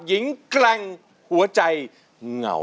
หวาใจเหงา